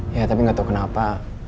ya tapi gak tau kenapa